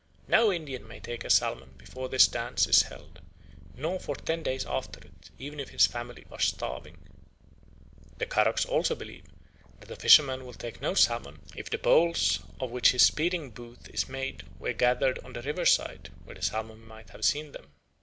"No Indian may take a salmon before this dance is held, nor for ten days after it, even if his family are starving." The Karoks also believe that a fisherman will take no salmon if the poles of which his spearing booth is made were gathered on the river side, where the salmon might have seen them.